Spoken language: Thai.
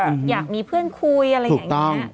อยากมีเพื่อนคุยอะไรอย่างนี้